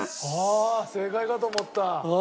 ああ正解かと思った。